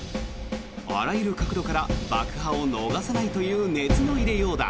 あらゆる角度から爆破を逃さないという熱の入れようだ。